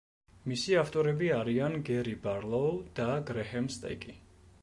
მისი ავტორები არიან გერი ბარლოუ და გრეჰემ სტეკი.